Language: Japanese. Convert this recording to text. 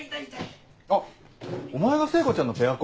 あっお前が聖子ちゃんのペアっ子か。